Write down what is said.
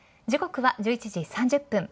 時刻は１１時３０分。